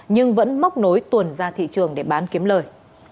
nhưng vẫn móc nối tuần ra thị trường để bán kiếm lời